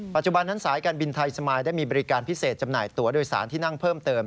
ปัจจุบันนั้นสายการบินไทยสมายได้มีบริการพิเศษจำหน่ายตัวโดยสารที่นั่งเพิ่มเติม